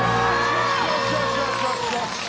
よしよしよしよし。